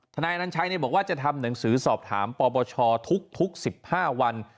นายอนัญชัยบอกว่าจะทำหนังสือสอบถามปปชทุก๑๕วัน